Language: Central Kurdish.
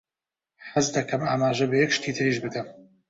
حەز دەکەم ئاماژە بە یەک شتی تریش بدەم.